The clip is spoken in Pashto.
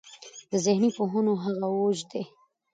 د ذهني پوهنو هغه اوج دی.